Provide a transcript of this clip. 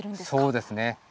そうですね。